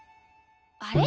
あれ？